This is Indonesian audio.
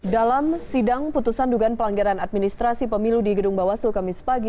dalam sidang putusan dugaan pelanggaran administrasi pemilu di gedung bawaslu kamis pagi